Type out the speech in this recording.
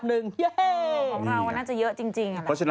เย้เฮ้ของเราน่าจะเยอะจริง